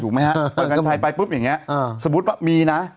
อยู่ไหมฮะเปิดการใช้ไปปุ๊บอย่างนี้สมมุติว่ามีนะ